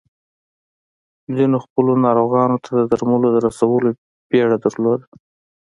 ځينو خپلو ناروغانو ته د درملو د رسولو بيړه درلوده.